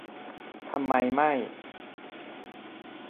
ทำไมไม่